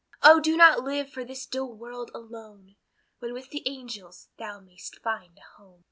Oh, do not live for this dull world alone, When with the Angels thou mayst find a home.